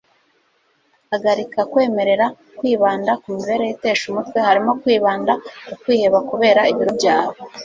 hagarika kwemerera kwibanda ku mibereho itesha umutwe - harimo kwibanda ku kwiheba kubera ibiro byawe